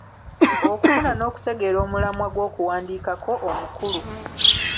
Okufuna n'okutegeera omulamwa gw'okuwandiikako omukulu.